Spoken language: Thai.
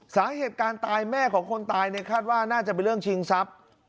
สาเหตุการตายแม่ของคนตายในคาดว่าน่าจะเป็นเรื่องชิงทรัพย์